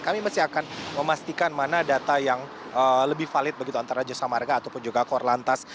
kami masih akan memastikan mana data yang lebih valid begitu antara jasa marga ataupun juga korlantas